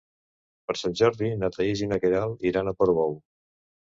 Per Sant Jordi na Thaís i na Queralt iran a Portbou.